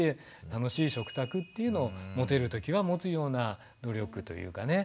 楽しい食卓っていうのを持てる時は持つような努力というかね。